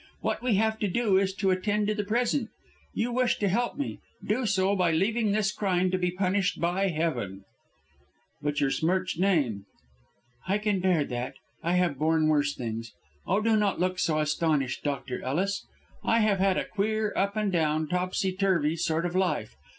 "What we have to do, is to attend to the present. You wish to help me. Do so by leaving this crime to be punished by Heaven." "But your smirched name?" "I can bear that. I have borne worse things. Oh, do not look so astonished, Dr. Ellis. I have had a queer up and down, topsy turvy sort of life.